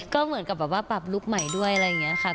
ก็เหมือนกับแบบว่าปรับลุคใหม่ด้วยอะไรอย่างนี้ค่ะ